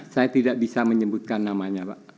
saya tidak bisa menyebutkan namanya pak